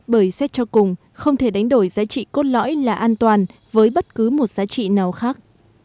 bởi xét cho cùng không thể đánh đổi giá trị cốt lõi là an toàn với bất cứ một giá trị nào khác